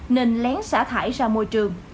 nên lén xả thải ra môi trường